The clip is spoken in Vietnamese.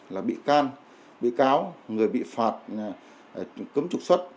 là bị can bị cáo người bị phạt cấm trục xuất